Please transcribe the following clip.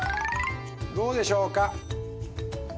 どうでしょうか。